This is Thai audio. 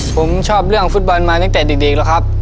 ผมชอบเรื่องฟุตบอลมาตั้งแต่เด็กแล้วครับ